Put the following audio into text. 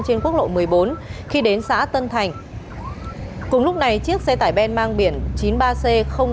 trên quốc lộ một mươi bốn khi đến xã tân thành cùng lúc này chiếc xe tải ben mang biển chín mươi ba c sáu nghìn một trăm chín mươi tám đang lưu thông